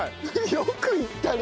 よくいったね。